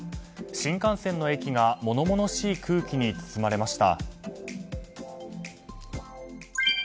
新幹線の駅が物々しい空気に包まれました。